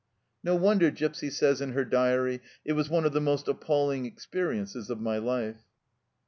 No wonder Gipsy says in her diary, " It was one of the most appalling experiences of my life